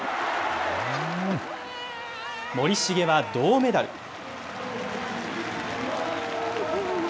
森重は銅メダル。